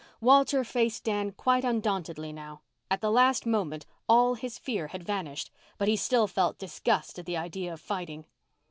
Walter faced Dan quite undauntedly now. At the last moment all his fear had vanished, but he still felt disgust at the idea of fighting.